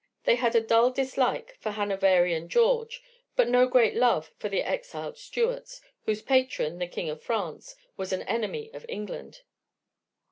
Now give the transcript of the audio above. They had a dull dislike for Hanoverian George, but no great love for the exiled Stuarts, whose patron, the King of France, was an enemy of England.